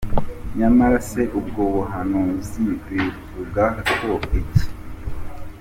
Nyamara se ubwo buhanuzi bubivugaho iki ?.